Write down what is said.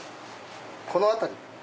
この辺り。